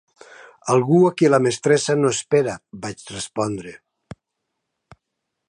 "Algú a qui la mestressa no espera," vaig respondre.